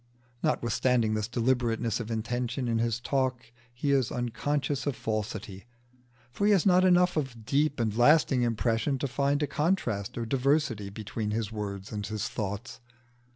Notwithstanding this deliberateness of intention in his talk he is unconscious of falsity, for he has not enough of deep and lasting impression to find a contrast or diversity between his words and his thoughts.